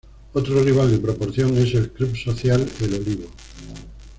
Otro rival de proporción es el "Club Social El Olivo".